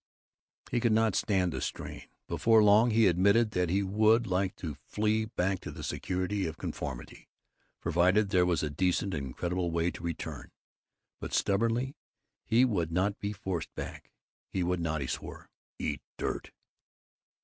He could not stand the strain. Before long he admitted that he would like to flee back to the security of conformity, provided there was a decent and creditable way to return. But, stubbornly, he would not be forced back; he would not, he swore, "eat dirt."